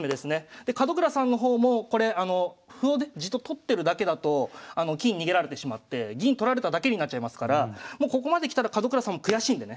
で門倉さんの方も歩をねじっと取ってるだけだと金逃げられてしまって銀取られただけになっちゃいますからもうここまで来たら門倉さんも悔しいんでね